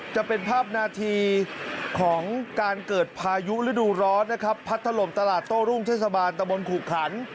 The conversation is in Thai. จะเป็นภาพนาทีของการเกิดพายุฤดูร้อนนะครับพัดถล่มตลาดโต้รุ่งเทศบาลตะบนขุขัน